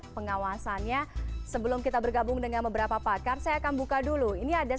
penambahan bahkan lonjakan kasus